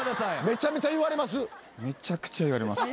めちゃくちゃ言われます。